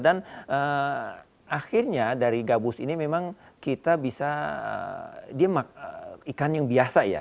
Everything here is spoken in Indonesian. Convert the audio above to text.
dan akhirnya dari gabus ini memang kita bisa dia emang ikan yang biasa ya